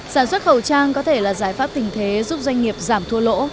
sản xuất khẩu trang có thể là giải pháp tình thế giúp doanh nghiệp giảm thua lỗ